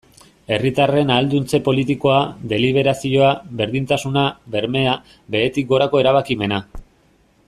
Herritarren ahalduntze politikoa, deliberazioa, berdintasuna, bermea, behetik gorako erabakimena...